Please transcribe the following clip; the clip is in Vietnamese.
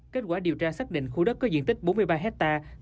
kết quả điều tra xác định khu đất có diện tích bốn mươi ba hectare